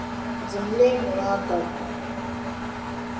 Dim leemu maa ka guugi.